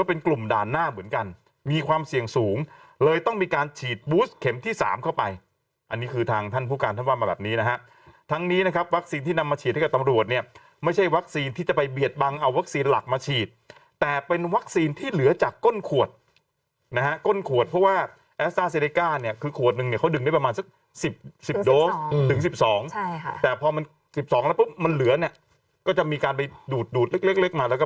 ปีนถูกเข็มที่๓เข้าไปอันนี้คือทางท่านผู้การพบกับนี้นะครับทั้งนี้นะครับปฏิเสธที่นำมาเชียร์ให้กับตำรวจเนี่ยไม่ใช่วัคซีที่จะไปเบียดบังเอาวัคซีนหลักมันชีดแต่เป็นวัคซีนที่เหลือจากก้นขวดนะค่ะก้นขวดเพราะว่าแอสตาร์เซริกาเนี่ยคือขวดหนึ่งเนี่ยเขาถึงได้ประมาณสัก๑๐๑๐โดคถึง๑๒